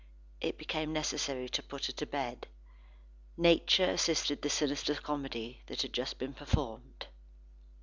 It became necessary to put her to bed. Nature assisted the sinister comedy that had just been performed.